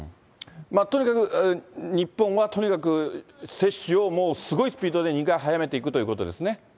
とにかく、日本はとにかく、接種をもうすごいスピードで２回、速めていくということですね。